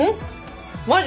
マジ！？